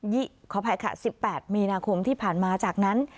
ขออภัยค่ะ๑๘มีนาคมที่ผ่านมาจากนั้น